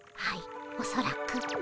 はいおそらく。